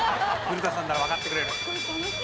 古田さんならわかってくれる。